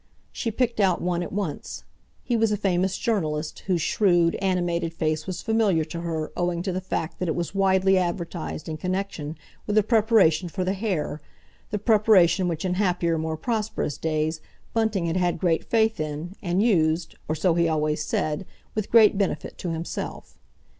She picked out one at once. He was a famous journalist, whose shrewd, animated face was familiar to her owing to the fact that it was widely advertised in connection with a preparation for the hair—the preparation which in happier, more prosperous days Bunting had had great faith in, and used, or so he always said, with great benefit to himself.